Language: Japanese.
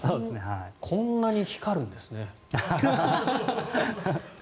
こんなに光るんですね。